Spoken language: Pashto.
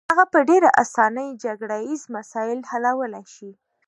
هغه په ډېره اسانۍ جګړه ییز مسایل حلولای شي.